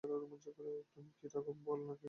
তুমি কি রাঘব বোয়াল না-কি?